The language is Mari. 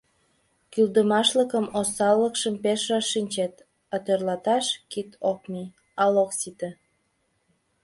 Кӱлдымашлыкшым, осаллыкшым пеш раш шинчет, а тӧрлаташ кид ок мий, ал ок сите.